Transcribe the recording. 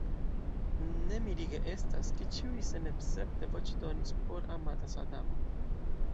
Ne mirige estas, ke ĉiuj senescepte voĉdonis por amata Sadamo!